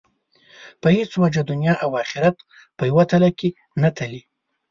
په هېڅ وجه دنیا او آخرت په یوه تله کې نه تلي.